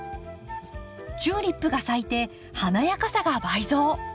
チューリップが咲いて華やかさが倍増。